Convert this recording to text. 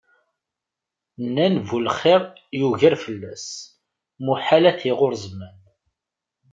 Nnan bu lxir yugar fell-as, muḥal ad t-iɣurr zzman.